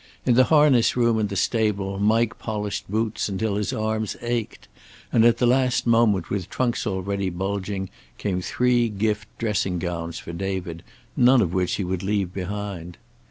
In the harness room in the stable Mike polished boots until his arms ached, and at the last moment with trunks already bulging, came three gift dressing gowns for David, none of which he would leave behind.